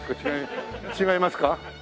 違いますか？